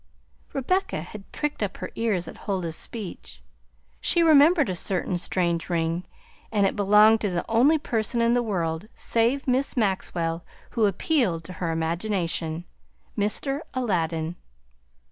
Rebecca had pricked up her ears at Huldah's speech. She remembered a certain strange ring, and it belonged to the only person in the world (save Miss Maxwell) who appealed to her imagination, Mr. Aladdin.